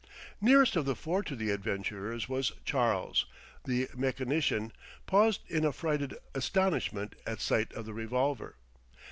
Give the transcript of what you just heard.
Nearest of the four to the adventurers was Charles, the mechanician, paused in affrighted astonishment at sight of the revolver.